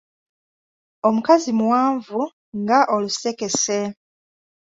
Omukazi muwanvu nga Olusekese.